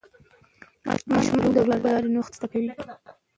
ماشومان د لوبو له لارې نوښت زده کوي.